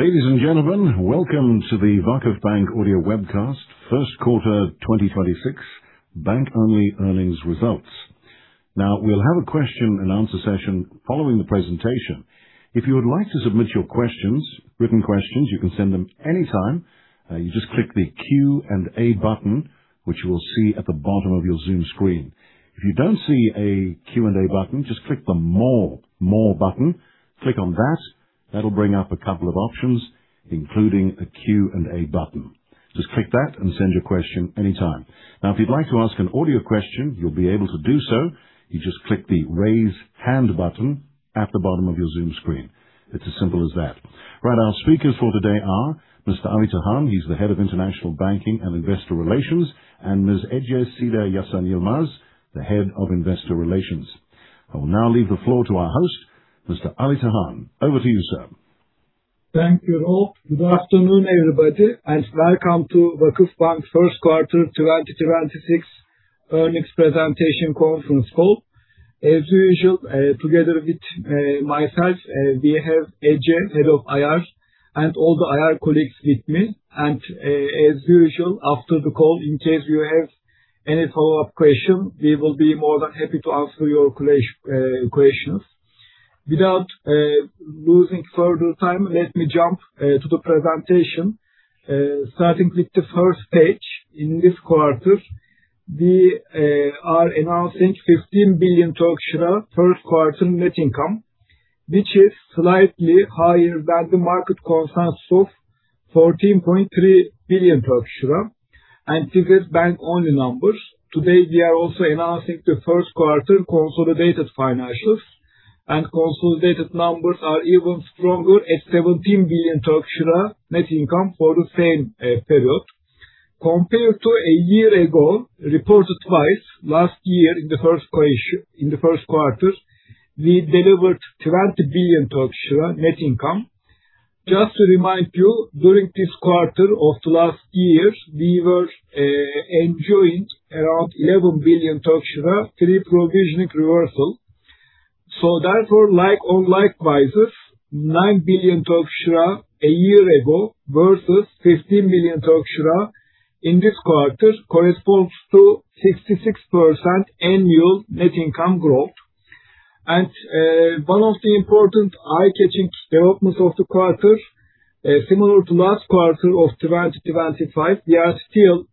Ladies and gentlemen, welcome to the VakıfBank audio webcast, first quarter 2026, bank-only earnings results. We'll have a question-and-answer session following the presentation. If you would like to submit your questions, written questions, you can send them anytime. You just click the Q&A button, which you will see at the bottom of your Zoom screen. If you don't see a Q&A button, just click the More button. Click on that. That'll bring up a couple of options, including a Q&A button. Just click that and send your question anytime. If you'd like to ask an audio question, you'll be able to do so. You just click the Raise Hand button at the bottom of your Zoom screen. It's as simple as that. Right, our speakers for today are Mr. Ali Tahan, he's the Head of International Banking and Investor Relations, and Ms. Ece Seda Yasan Yilmaz, Head of Investor Relations. I will now leave the floor to our host, Mr. Ali Tahan. Over to you, sir. Thank you all. Good afternoon, everybody, and welcome to VakıfBank first quarter 2026 earnings presentation conference call. As usual, together with myself, we have Ece, Head of IR, and all the IR colleagues with me. As usual, after the call, in case you have any follow-up question, we will be more than happy to answer your questions. Without losing further time, let me jump to the presentation. Starting with the first page. In this quarter, we are announcing 15 billion Turkish lira first quarter net income, which is slightly higher than the market consensus of 14.3 billion Turkish lira, and figures bank-only numbers. Today, we are also announcing the first quarter consolidated financials, consolidated numbers are even stronger at 17 billion Turkish lira net income for the same period. Compared to a year ago, reported twice last year in the first quarter, we delivered 20 billion Turkish lira net income. Just to remind you, during this quarter of the last year, we were enjoying around 11 billion free provisioning reversal. Therefore, likewise's 9 billion a year ago versus 15 billion in this quarter corresponds to 66% annual net income growth. One of the important eye-catching developments of the quarter, similar to last quarter of 2025, we are still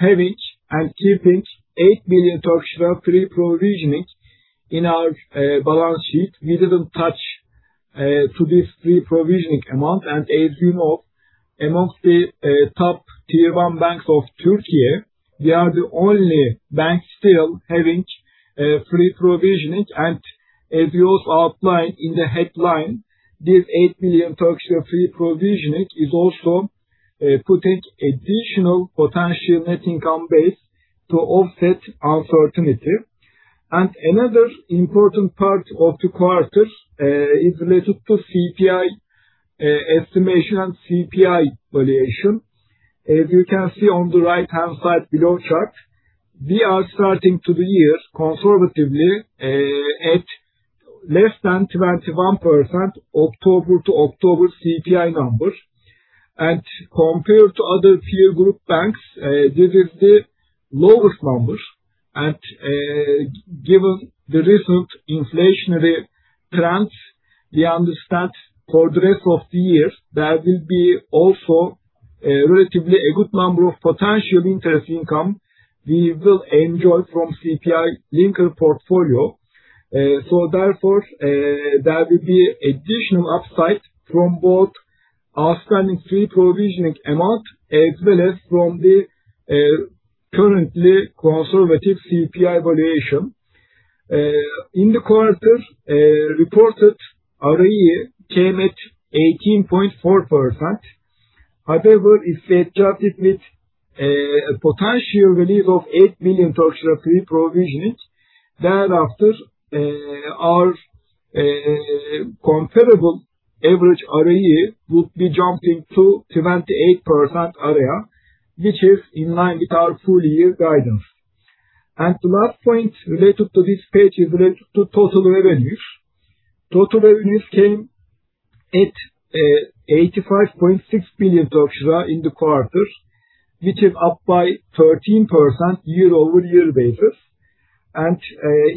having and keeping 8 billion free provisioning in our balance sheet. We didn't touch to this free provisioning amount. As you know, amongst the top Tier 1 banks of Türkiye, we are the only bank still having free provisioning. As we also outlined in the headline, this 8 billion free provisioning is also putting additional potential net income base to offset uncertainty. Another important part of the quarter is related to CPI estimation and CPI valuation. As you can see on the right-hand side below chart, we are starting to the year conservatively, at less than 21% October-to-October CPI numbers. Compared to other peer group banks, this is the lowest number. Given the recent inflationary trends, we understand for the rest of the year, there will be also relatively a good number of potential interest income we will enjoy from CPI-linked portfolio. Therefore, there will be additional upside from both outstanding free provisioning amount as well as from the currently conservative CPI valuation. In the quarter, reported ROE came at 18.4%. However, if they adjusted with a potential release of TRY 8 billion free provisioning, thereafter, our comparable average ROE would be jumping to 28% area, which is in line with our full-year guidance. The last point related to this page is related to total revenues. Total revenues came at TRY 85.6 billion in the quarter, which is up by 13% year-over-year basis.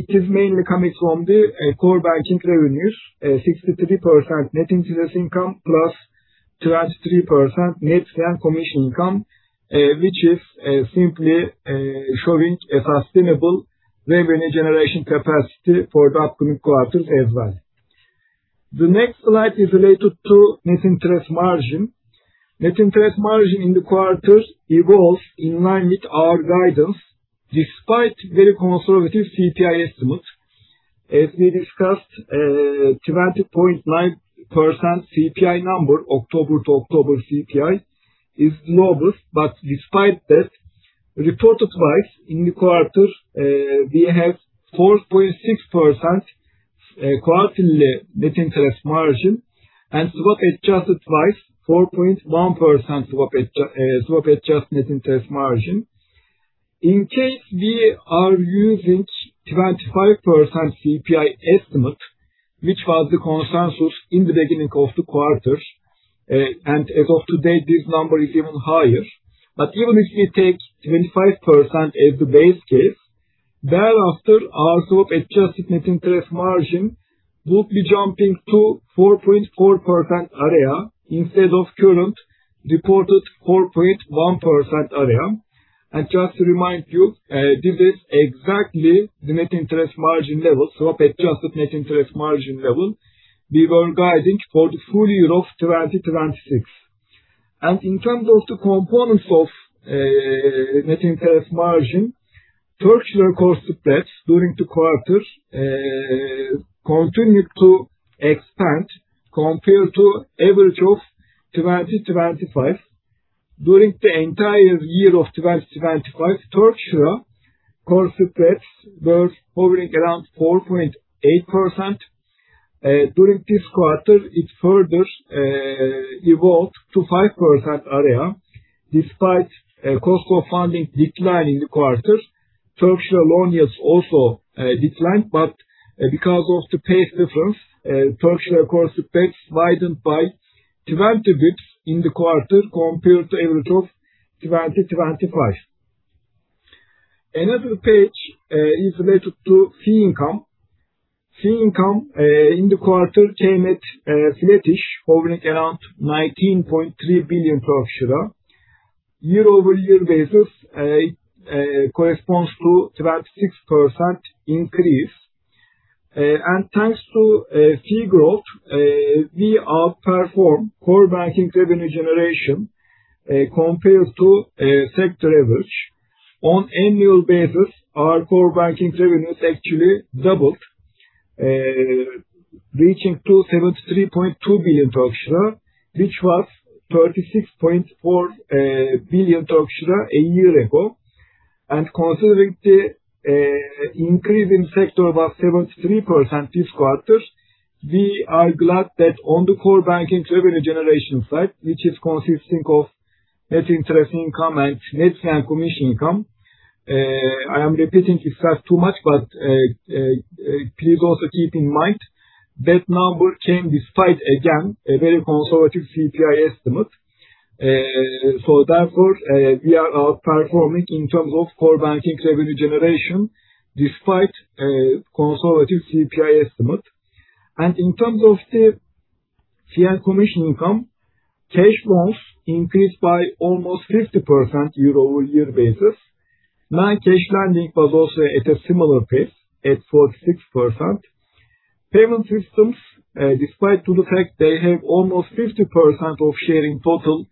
It is mainly coming from the core banking revenues, 63% net interest income plus 23% net fee and commission income, which is simply showing a sustainable revenue generation capacity for the upcoming quarters as well. The next slide is related to net interest margin. Net interest margin in the quarter evolves in line with our guidance despite very conservative CPI estimate. As we discussed, 20.9% CPI number, October-to-October CPI, is lowest. Despite that, reported twice in the quarter, we have 4.6% quarterly net interest margin, and swap-adjusted twice, 4.1% swap-adjusted net interest margin. In case we are using 25% CPI estimate, which was the consensus in the beginning of the quarter, as of today, this number is even higher. Even if we take 25% as the base case, thereafter, our group adjusted net interest margin would be jumping to 4.4% area instead of current reported 4.1% area. Just to remind you, this is exactly the net interest margin level, swap-adjusted net interest margin level we were guiding for the full year of 2026. In terms of the components of net interest margin, TRY cost of debt during the quarter continued to expand compared to average of 2025. During the entire year of 2025, TRY cost of debts were hovering around 4.8%. During this quarter, it further evolved to 5% area despite cost of funding decline in the quarter. TRY loan also declined, but because of the pace difference, TRY cost of debts widened by 20 BPS in the quarter compared to average of 2025. Another page is related to fee income. Fee income in the quarter came at flat-ish, hovering around 19.3 billion. Year-over-year basis corresponds to 26% increase. Thanks to fee growth, we outperformed core banking revenue generation compared to sector average. On annual basis, our core banking revenues actually doubled, reaching to 73.2 billion Turkish lira, which was 36.4 billion Turkish lira a year ago. Considering the increase in sector of up 73% this quarter, we are glad that on the core banking revenue generation side, which is consisting of net interest income and net fee and commission income. I am repeating myself too much, please also keep in mind that number came despite, again, a very conservative CPI estimate. Therefore, we are outperforming in terms of core banking revenue generation despite a conservative CPI estimate. In terms of the fee and commission income, cash loans increased by almost 50% year-over-year basis. Non-cash lending was also at a similar pace at 46%. Payment systems, despite to the fact they have almost 50% of share in total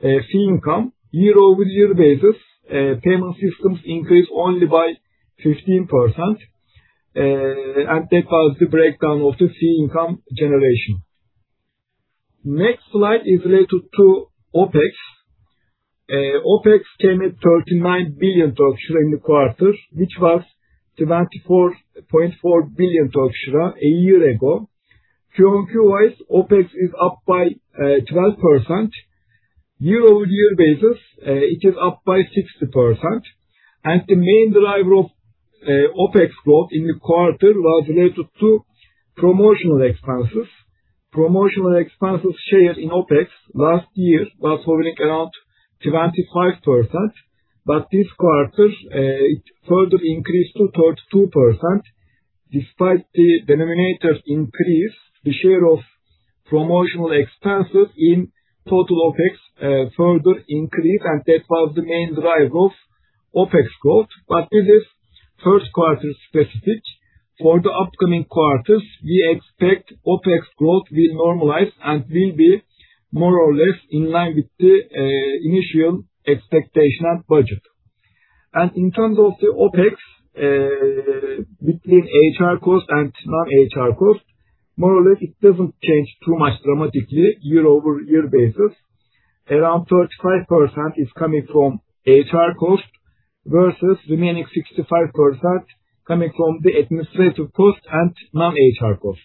fee income, year-over-year basis, payment systems increased only by 15%. That was the breakdown of the fee income generation. Next slide is related to OpEx. OpEx came at TRY 39 billion in the quarter, which was TRY 24.4 billion a year ago. Q-on-Q wise, OpEx is up by 12%. Year-over-year basis, it is up by 60%. The main driver of OpEx growth in the quarter was related to promotional expenses. Promotional expenses share in OpEx last year was hovering around 25%, this quarter, it further increased to 32%. Despite the denominator's increase, the share of promotional expenses in total OpEx further increased, that was the main driver of OpEx growth. This is first quarter specific. For the upcoming quarters, we expect OpEx growth will normalize and will be more or less in line with the initial expectation and budget. In terms of the OpEx, between HR cost and non-HR cost, more or less it doesn't change too much dramatically year-over-year basis. Around 35% is coming from HR cost versus remaining 65% coming from the administrative cost and non-HR cost.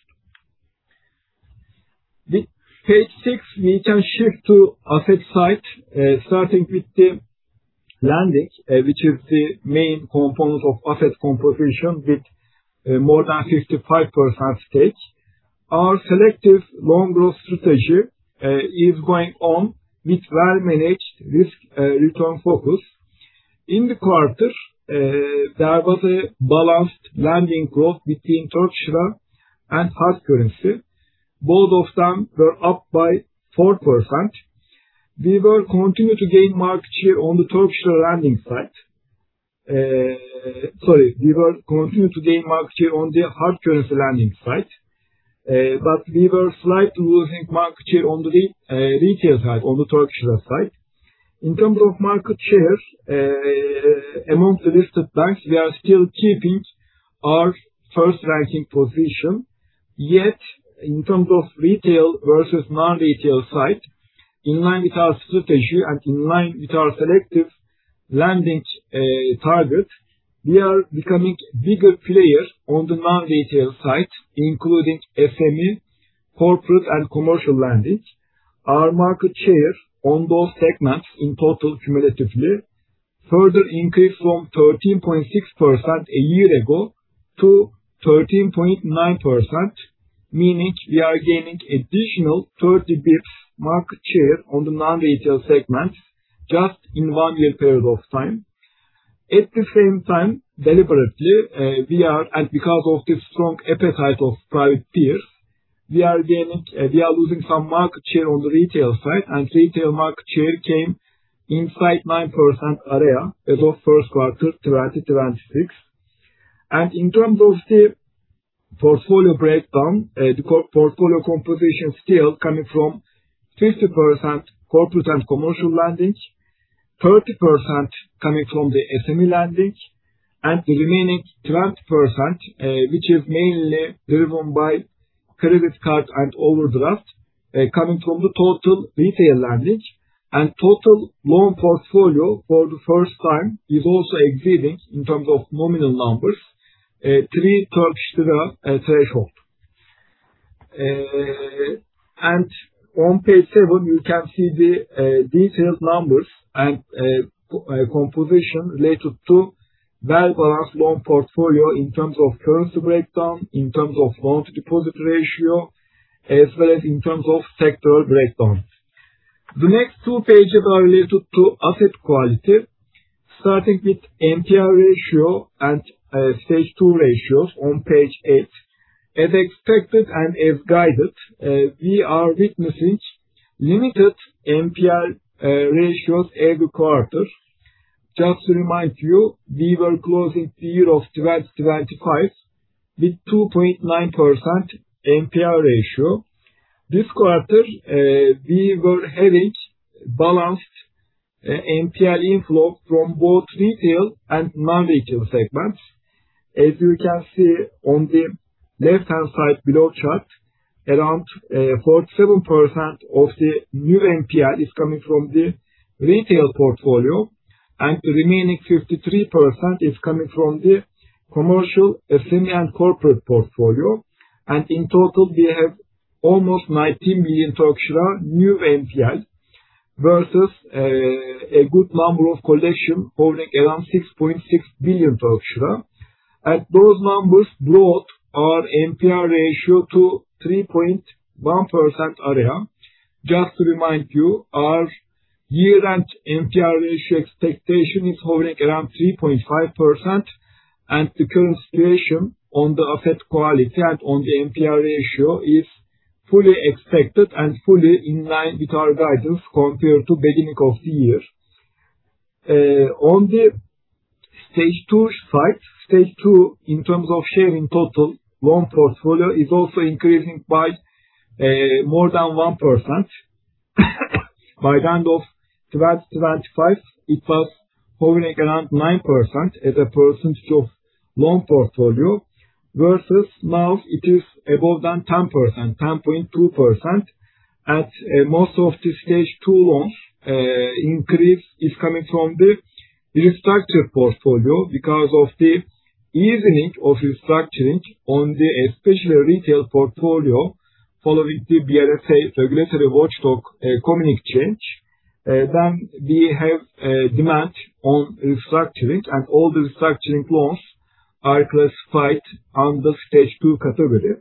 With page six, we can shift to asset side, starting with the lending, which is the main component of asset composition with more than 55% stake. Our selective loan growth strategy is going on with well-managed risk, return focus. In the quarter, there was a balanced lending growth between Turkish lira and hard currency. Both of them were up by 4%. We will continue to gain market share on the Turkish lira lending side. Sorry, we will continue to gain market share on the hard currency lending side. We were slightly losing market share on the retail side, on the Turkish lira side. In terms of market share, among the listed banks, we are still keeping our first ranking position. Yet, in terms of retail versus non-retail side, in line with our strategy and in line with our selective lending target, we are becoming bigger player on the non-retail side, including SME, corporate, and commercial lending. Our market share on those segments in total cumulatively further increased from 13.6% a year ago to 13.9%, meaning we are gaining additional 30 BPS market share on the non-retail segment just in one year period of time. At the same time, deliberately, because of the strong appetite of private peers, we are losing some market share on the retail side, and retail market share came inside 9% area above first quarter 2026. In terms of the portfolio breakdown, the portfolio composition still coming from 50% corporate and commercial lending, 30% coming from the SME lending, and the remaining 20%, which is mainly driven by credit card and overdraft, coming from the total retail lending. Total loan portfolio for the first time is also exceeding in terms of nominal numbers, 3 Turkish lira threshold. On page seven, you can see the detailed numbers and composition related to well-balanced loan portfolio in terms of currency breakdown, in terms of loan-to-deposit ratio, as well as in terms of sectoral breakdown. The next two pages are related to asset quality, starting with NPL ratio and Stage two ratios on page eight. As expected and as guided, we are witnessing limited NPL ratios every quarter. Just to remind you, we were closing the year of 2025 with 2.9% NPL ratio. This quarter, we were having balanced NPL inflow from both retail and non-retail segments. As you can see on the left-hand side below chart, around 47% of the new NPL is coming from the retail portfolio, and the remaining 53% is coming from the commercial SME and corporate portfolio. In total, we have almost 90 million new NPL versus a good number of collection holding around 6.6 billion Turkish lira. Those numbers brought our NPL ratio to 3.1% area. Just to remind you, our year-end NPL ratio expectation is hovering around 3.5%, the current situation on the asset quality and on the NPL ratio is fully expected and fully in line with our guidance compared to beginning of the year. On the Stage two side, Stage two in terms of share in total loan portfolio is also increasing by more than 1%. By the end of 2025, it was hovering around 9% as a percentage of loan portfolio, versus now it is above 10%, 10.2%. Most of the Stage two loans increase is coming from the restructured portfolio because of the easing of restructuring on the especially retail portfolio following the BRSA regulatory watchdog communicate change. Then we have demand on restructuring, all the restructuring loans are classified under Stage two category.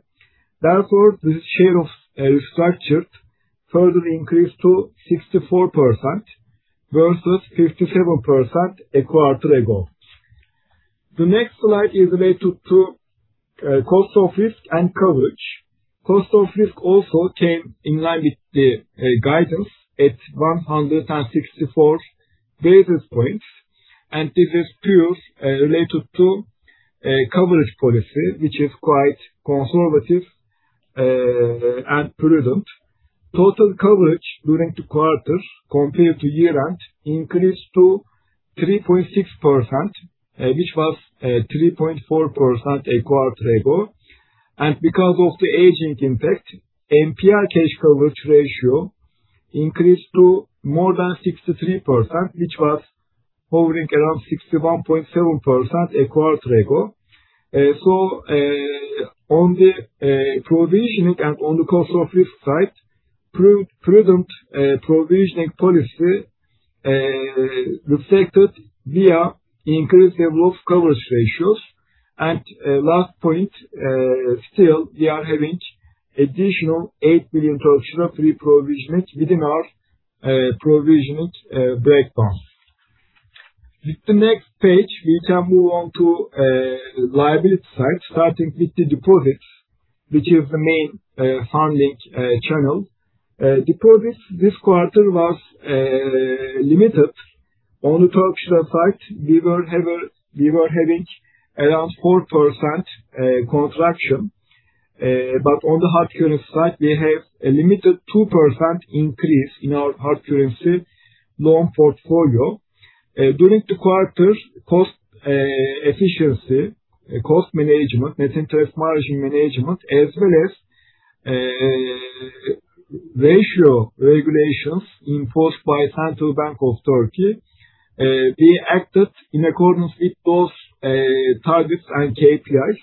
Therefore, the share of restructured further increased to 64% versus 57% a quarter ago. The next slide is related to cost of risk and coverage. Cost of risk also came in line with the guidance at 164 basis points. This is purely related to a coverage policy, which is quite conservative and prudent. Total coverage during the quarter compared to year-end increased to 3.6%, which was 3.4% a quarter ago. Because of the aging impact, NPL cash coverage ratio increased to more than 63%, which was hovering around 61.7% a quarter ago. On the provisioning and on the cost of risk side, prudent provisioning policy reflected via increased levels of coverage ratios. Last point, still we are having additional TRY 8 billion pre-provisioned within our provisioned breakdown. With the next page, we can move on to liability side, starting with the deposits, which is the main funding channel. Deposits this quarter was limited. On the Turkish lira side, we were having around 4% contraction. On the hard currency side, we have a limited 2% increase in our hard currency loan portfolio. During the quarter, cost efficiency, cost management, net interest margin management, as well as ratio regulations enforced by Central Bank of the Republic of Turkey, we acted in accordance with those targets and KPIs.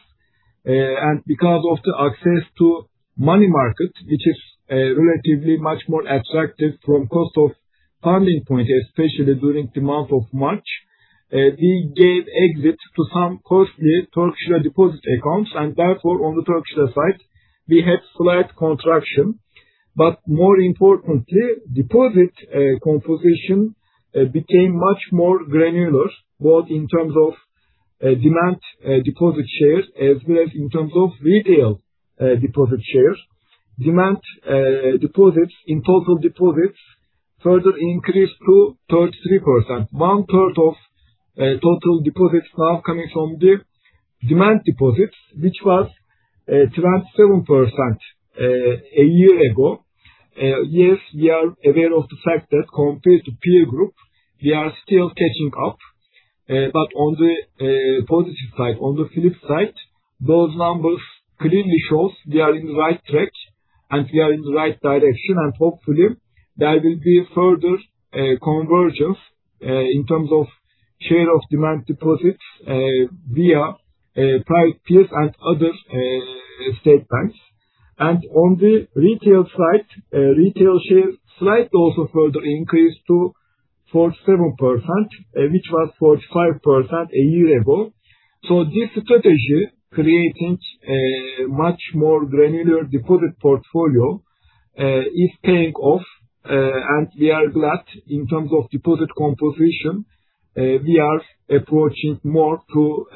Because of the access to money market, which is relatively much more attractive from cost of funding point, especially during the month of March, we gave exit to some costly Turkish lira deposit accounts, and therefore, on the Turkish lira side, we had slight contraction. More importantly, deposit composition became much more granular, both in terms of demand deposit shares as well as in terms of retail deposit shares. Demand deposits in total deposits further increased to 33%. One-third of total deposits now coming from the demand deposits, which was 27% a year ago. Yes, we are aware of the fact that compared to peer group, we are still catching up. On the positive side, on the flip side, those numbers clearly shows we are in the right track and we are in the right direction. Hopefully, there will be further convergence in terms of share of demand deposits via private peers and other state banks. On the retail side, retail share slight also further increase to 47%, which was 45% a year ago. This strategy creating a much more granular deposit portfolio is paying off, and we are glad in terms of deposit composition, we are approaching more to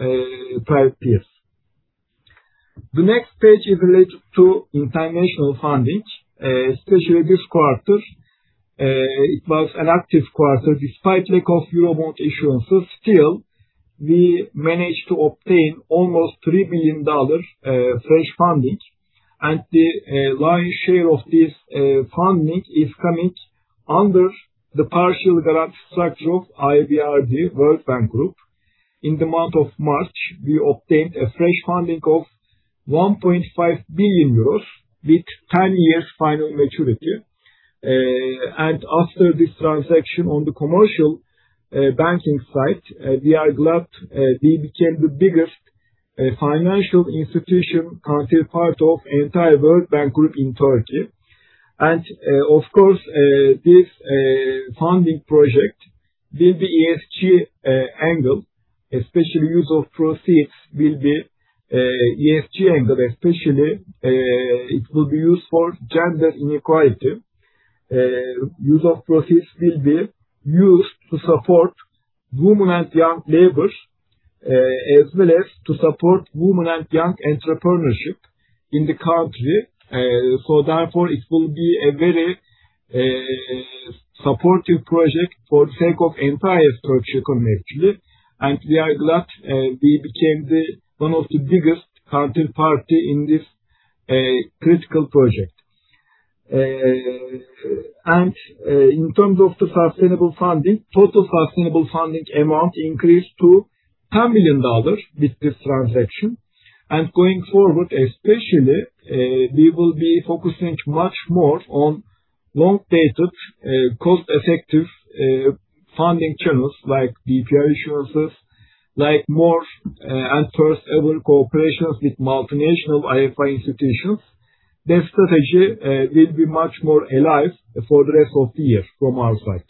private peers. The next page is related to international funding, especially this quarter. It was an active quarter. Despite lack of Eurobond issuances, still, we managed to obtain almost $3 billion fresh funding. The lion's share of this funding is coming under the partial guarantee structure of IBRD World Bank Group. In the month of March, we obtained a fresh funding of 1.5 billion euros with 10 years final maturity. After this transaction on the commercial banking side, we are glad we became the biggest financial institution counterparty of entire World Bank Group in Turkey. Of course, this funding project with the ESG angle, especially use of proceeds will be ESG angle especially. It will be used for gender inequality. Use of proceeds will be used to support women and young laborers, as well as to support women and young entrepreneurship in the country. Therefore, it will be a very supportive project for the sake of entire Turkish economy actually. We are glad we became one of the biggest counterparty in this critical project. In terms of the sustainable funding, total sustainable funding amount increased to $10 million with this transaction. Going forward, especially, we will be focusing much more on long-dated, cost-effective funding channels like DPR issuances, like more and first ever cooperations with multinational IFI institutions. That strategy will be much more alive for the rest of the year from our side.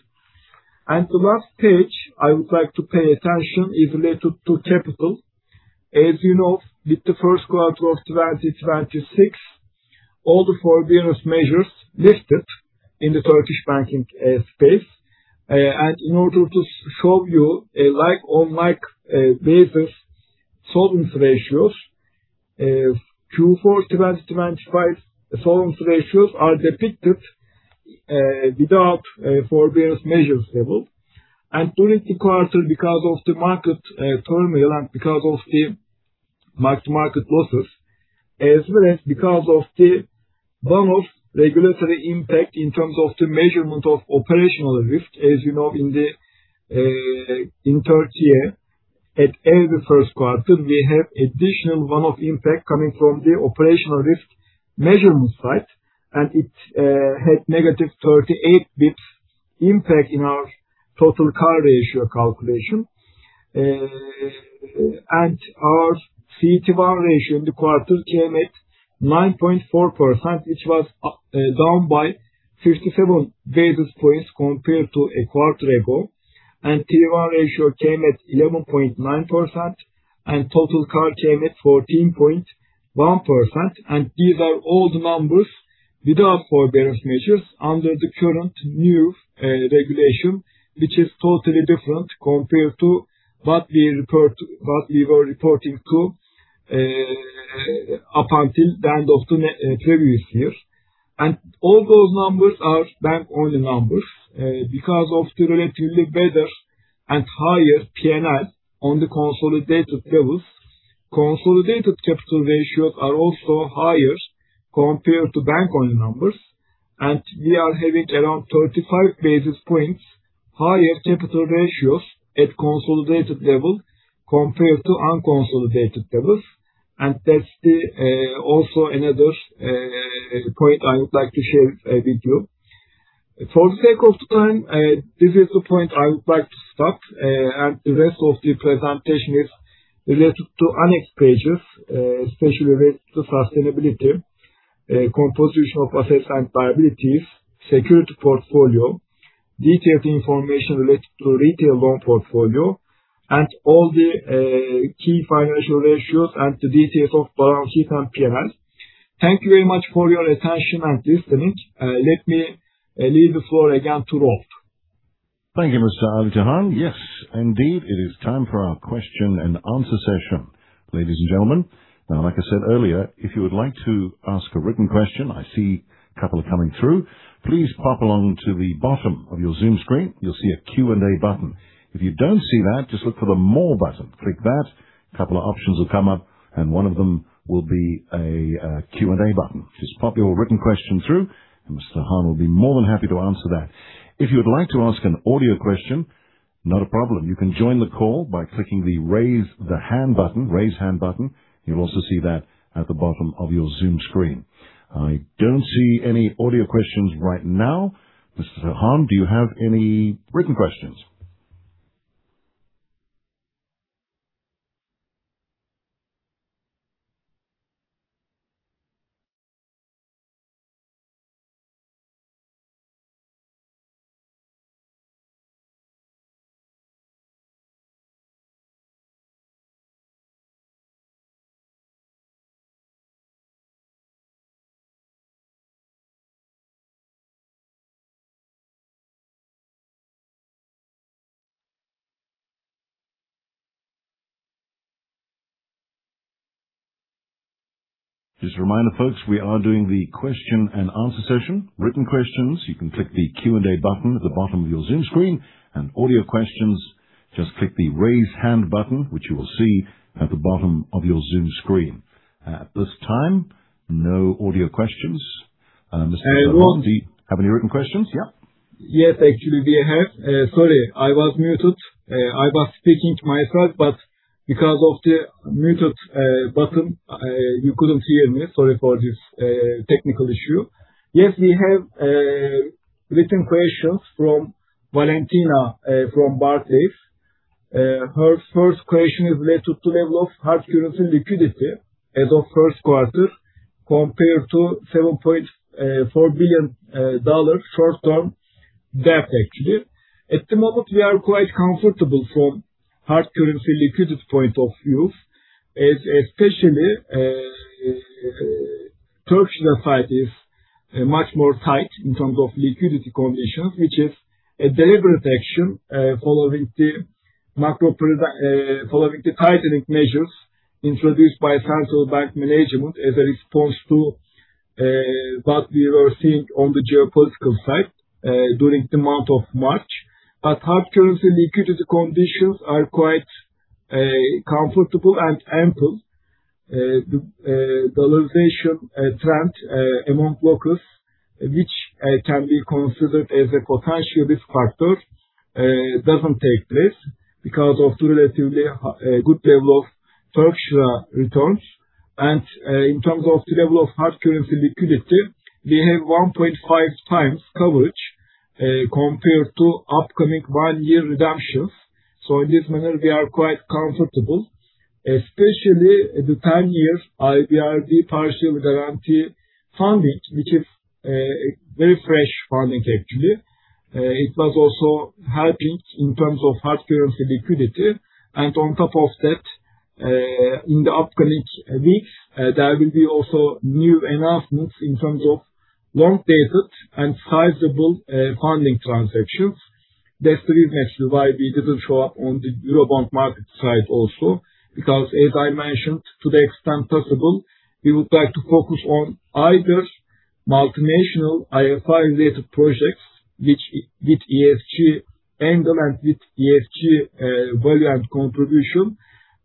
The last page I would like to pay attention is related to capital. As you know, with the first quarter of 2026, all the forbearance measures lifted in the Turkish banking space. In order to show you a like-on-like basis solvency ratios, Q4 2025 solvency ratios are depicted without forbearance measures level. During the quarter, because of the market turmoil and because of the mark-to-market losses, as well as because of the one-off regulatory impact in terms of the measurement of operational risk. As you know, in Turkey, at every first quarter, we have additional one-off impact coming from the operational risk measurement side, and it had negative 38 basis points impact in our total CAR ratio calculation. Our CET1 ratio in the quarter came at 9.4%, which was down by 57 basis points compared to a quarter ago. Tier 1 ratio came at 11.9%, and total CAR came at 14.1%. These are all the numbers without forbearance measures under the current new regulation, which is totally different compared to what we were reporting to up until the end of the previous year. All those numbers are bank-only numbers. Because of the relatively better and higher P&L on the consolidated levels, consolidated capital ratios are also higher compared to bank-only numbers. We are having around 35 basis points higher capital ratios at consolidated level compared to unconsolidated levels. That's also another point I would like to share with you. For the sake of time, this is the point I would like to stop, and the rest of the presentation is related to annex pages, especially related to sustainability, composition of assets and liabilities, security portfolio, detailed information related to retail loan portfolio, and all the key financial ratios and the details of balance sheet and P&L. Thank you very much for your attention and listening. Let me leave the floor again to Rob. Thank you, Mr. Ali Tahan. Yes, indeed, it is time for our question and answer session. Ladies and gentlemen, now, like I said earlier, if you would like to ask a written question, I see a couple are coming through. Please pop along to the bottom of your Zoom screen. You'll see a Q&A button. If you don't see that, just look for the More button. Click that. A couple of options will come up, and one of them will be a Q&A button. Just pop your written question through, and Mr. Tahan will be more than happy to answer that. If you would like to ask an audio question, not a problem. You can join the call by clicking the Raise Hand button. You'll also see that at the bottom of your Zoom screen. I don't see any audio questions right now. Mr. Tahan, do you have any written questions? Just a reminder, folks, we are doing the Q&A session. Written questions, you can click the Q&A button at the bottom of your Zoom screen. Audio questions, just click the Raise Hand button, which you will see at the bottom of your Zoom screen. At this time, no audio questions. Mr. Tahan, do you have any written questions? Yeah. Actually, we have. Sorry, I was muted. I was speaking to myself, but because of the muted button, you couldn't hear me. Sorry for this technical issue. We have written questions from Valentina, from Barclays. Her first question is related to level of hard currency liquidity as of first quarter compared to $7.4 billion short-term debt actually. At the moment, we are quite comfortable from hard currency liquidity point of view, as especially Turkish side is much more tight in terms of liquidity conditions, which is a deliberate action following the tightening measures introduced by Central Bank management as a response to what we were seeing on the geopolitical side during the month of March. Hard currency liquidity conditions are quite comfortable and ample. The dollarization trend among locals, which can be considered as a potential risk factor, doesn't take place because of the relatively good level of Turkish returns. In terms of the level of hard currency liquidity, we have 1.5 times coverage compared to upcoming one-year redemptions. In this manner, we are quite comfortable, especially the 10-year IBRD partial guarantee funding, which is very fresh funding actually. It was also helping in terms of hard currency liquidity. On top of that, in the upcoming weeks, there will be also new announcements in terms of long-dated and sizable funding transactions. That's the reason actually why we didn't show up on the Eurobond market side also, because as I mentioned, to the extent possible, we would like to focus on either multinational IFI-related projects which, with ESG angle and with ESG value and contribution,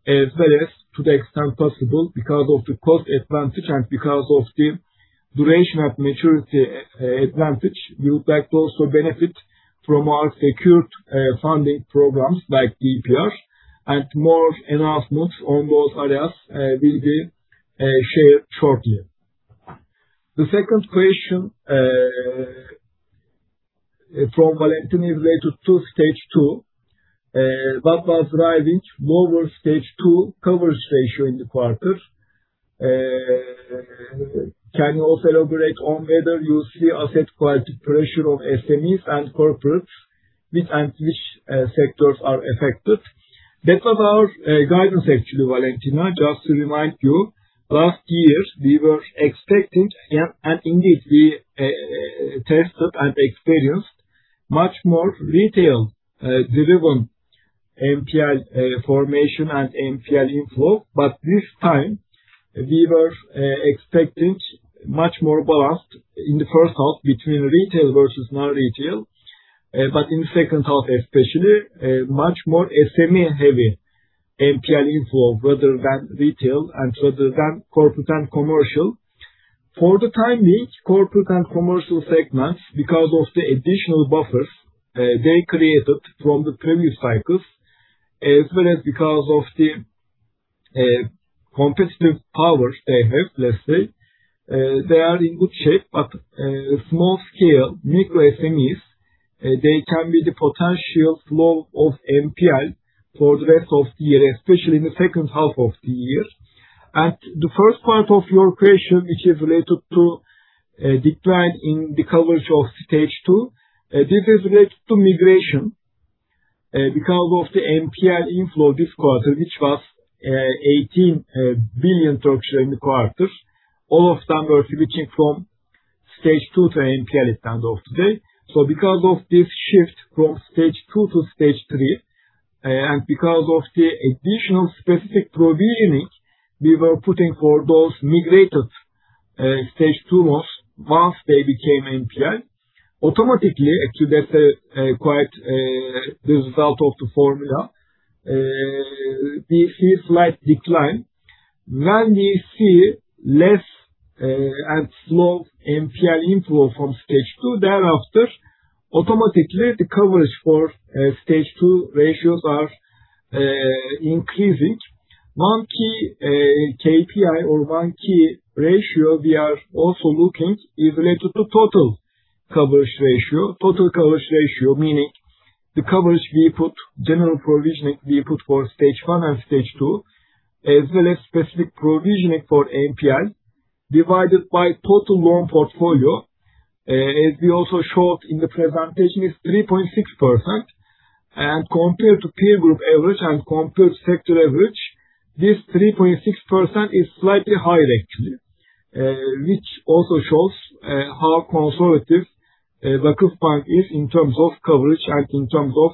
as well as to the extent possible because of the cost advantage and because of the duration and maturity advantage. We would like to also benefit from our secured funding programs like DPR and more announcements on those areas will be shared shortly. The second question from Valentina is related to Stage two. What was driving lower Stage two coverage ratio in the quarter? Can you also elaborate on whether you see asset quality pressure on SMEs and corporates, which sectors are affected? That was our guidance actually, Valentina. Just to remind you, last year we were expecting, and indeed we tested and experienced much more retail-driven NPL formation and NPL inflow. This time, we were expecting much more balanced in the first half between retail versus non-retail. In the second half especially, much more SME-heavy NPL inflow rather than retail and rather than corporate and commercial. For the time being, corporate and commercial segments, because of the additional buffers they created from the previous cycles, as well as because of the competitive powers they have, let's say, they are in good shape, but small scale micro SMEs, they can be the potential flow of NPL for the rest of the year, especially in the second half of the year. The first part of your question, which is related to a decline in the coverage of Stage two, this is related to migration because of the NPL inflow this quarter, which was 18 billion in the quarter. All of them were switching from Stage two to NPL at the end of the day. Because of this shift from Stage two to Stage three, and because of the additional specific provisioning we were putting for those migrated Stage two loans once they became NPL. Automatically, actually, that's a quite the result of the formula. We see slight decline. When we see less and slow NPL inflow from Stage two thereafter, automatically the coverage for Stage two ratios are increasing. One key KPI or one key ratio we are also looking is related to total coverage ratio. Total coverage ratio, meaning the coverage we put, general provisioning we put for Stage one and Stage two, as well as specific provisioning for NPL divided by total loan portfolio. As we also showed in the presentation, is 3.6%. Compared to peer group average and compared sector average, this 3.6% is slightly higher actually, which also shows how conservative VakıfBank is in terms of coverage and in terms of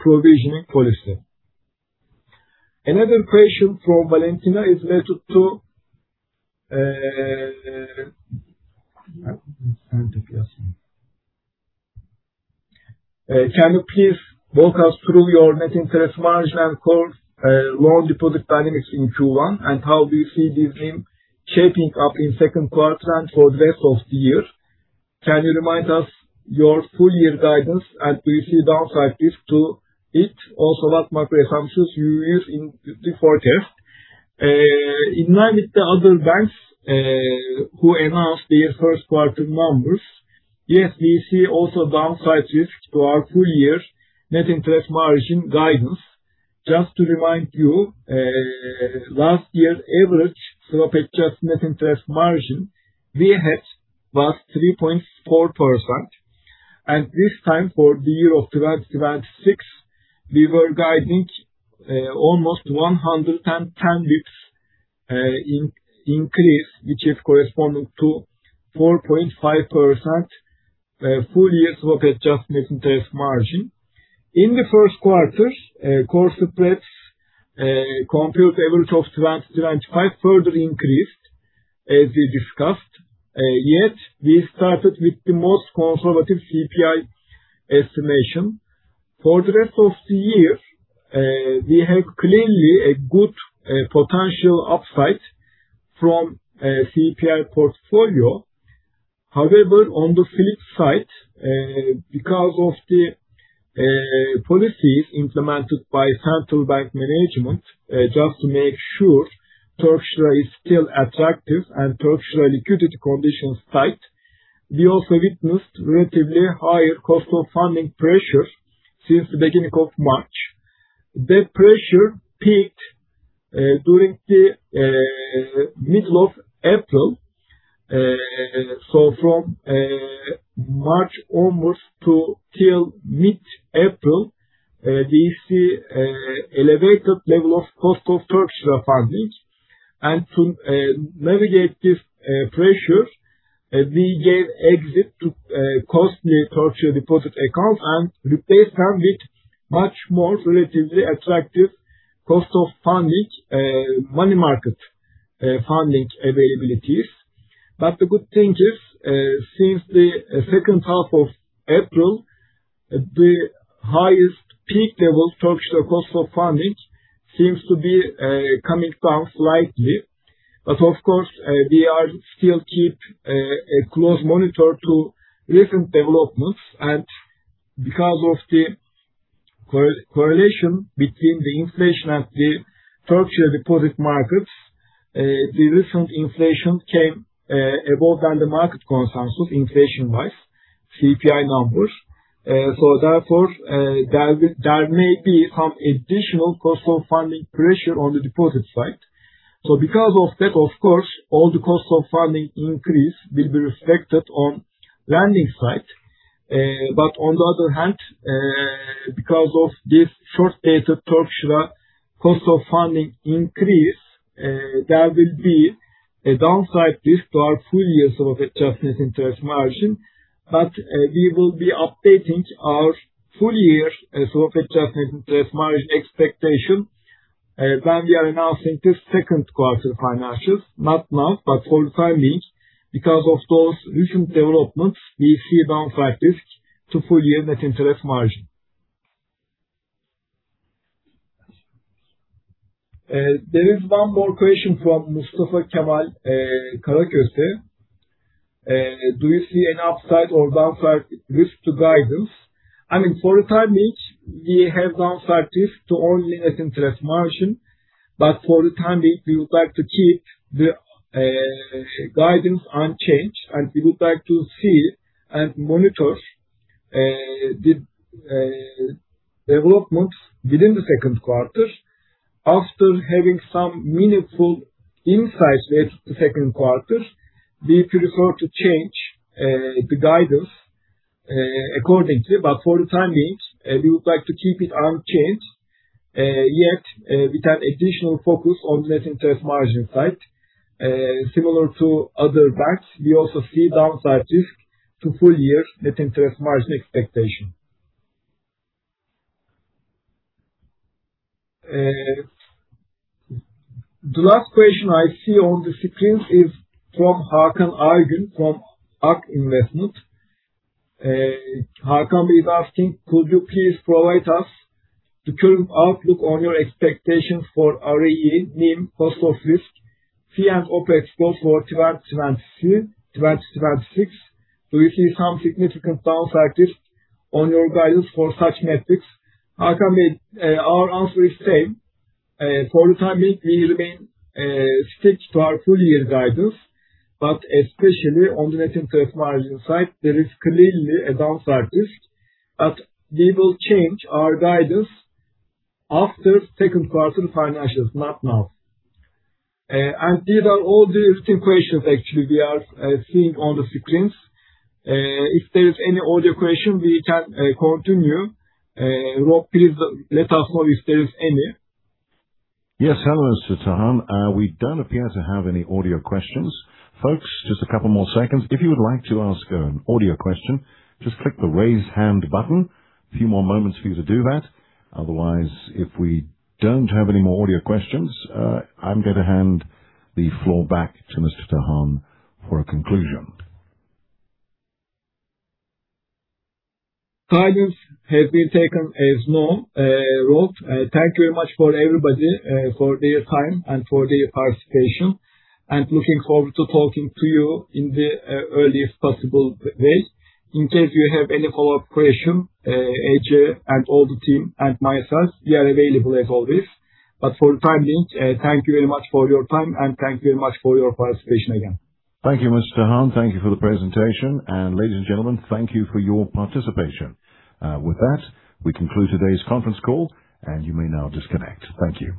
provisioning policy. Another question from Valentina is related to, can you please walk us through your net interest margin and core loan deposit dynamics in Q1, and how do you see these being shaping up in second quarter and for the rest of the year? Can you remind us your full year guidance and do you see downside risk to it? What macro assumptions you use in the forecast? In line with the other banks who announced their first quarter numbers, yes, we see also downside risk to our full year net interest margin guidance. Just to remind you, last year average slope-adjusted net interest margin we had was 3.4%. This time for the year of 2026, we were guiding almost 110 bps in-increase, which is corresponding to 4.5% full year slope adjusted net interest margin. In the first quarter, core spreads compared to average of 2025 further increased, as we discussed. Yet we started with the most conservative CPI estimation. For the rest of the year, we have clearly a good potential upside from CPI portfolio. However, on the flip side, because of the policies implemented by Central Bank management, just to make sure Turkish lira is still attractive and Turkish lira liquidity conditions tight, we also witnessed relatively higher cost of funding pressure since the beginning of March. That pressure peaked during the middle of April. From March onwards to till mid-April, we see elevated level of cost of Turkish lira funding. To navigate this pressure, we gave exit to costly Turkish lira deposit accounts and replaced them with much more relatively attractive cost of funding, money market funding availabilities. The good thing is, since the second half of April, the highest peak level Turkish lira cost of funding seems to be coming down slightly. Of course, we are still keep a close monitor to recent developments. Because of the correlation between the inflation and the Turkish lira deposit markets, the recent inflation came above than the market consensus, inflation-wise, CPI numbers. Therefore, there may be some additional cost of funding pressure on the deposit side. Because of that, of course, all the cost of funding increase will be reflected on lending side. On the other hand, because of this short-dated Turkish lira cost of funding increase, there will be a downside risk to our full year swap-adjusted net interest margin. We will be updating our full year scope adjusted net interest margin expectation when we are announcing the second quarter financials. Not now, for the time being, because of those recent developments, we see downside risk to full year net interest margin. There is one more question from Mustafa Kemal Karaköse. Do you see an upside or downside risk to guidance? I mean, for the time being, we have downside risk to only net interest margin. For the time being, we would like to keep the guidance unchanged, and we would like to see and monitor the developments within the second quarter. After having some meaningful insights into the second quarter, we prefer to change the guidance accordingly. For the time being, we would like to keep it unchanged. Yet, we have additional focus on net interest margin side. Similar to other banks, we also see downside risk to full-year net interest margin expectation. The last question I see on the screen is from Hakan Aygün from AK Investment. Hakan is asking, could you please provide us the current outlook on your expectations for ROE NIM cost of risk, fee and OpEx growth for 2022, 2026? Do you see some significant downside risk on your guidance for such metrics? Hakan, our answer is same. For the time being, we remain strict to our full-year guidance, but especially on the net interest margin side, there is clearly a downside risk. We will change our guidance after second quarter financials, not now. These are all the written questions actually we are seeing on the screens. If there is any audio question, we can continue. Rob, please let us know if there is any. Yes. Hello, Mr. Tahan. We don't appear to have any audio questions. Folks, just a couple more seconds. If you would like to ask an audio question, just click the Raise Hand button. A few more moments for you to do that. Otherwise, if we don't have any more audio questions, I'm going to hand the floor back to Mr. Tahan for a conclusion. Guidance has been taken as norm. Rob, thank you very much for everybody, for their time and for their participation, and looking forward to talking to you in the earliest possible way. In case you have any follow-up question, Ece and all the team and myself, we are available as always. But for the time being, thank you very much for your time, and thank you very much for your participation again. Thank you, Mr. Tahan. Thank you for the presentation. Ladies and gentlemen, thank you for your participation. With that, we conclude today's conference call, and you may now disconnect. Thank you.